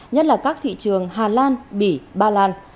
nhất là các thị trường hà lan bỉ ba lan